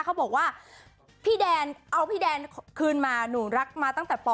เขาบอกว่าพี่แดนเอาพี่แดนคืนมาหนูรักมาตั้งแต่ป